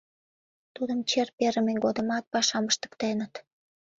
Тудым чер перыме годымат пашам ыштыктеныт.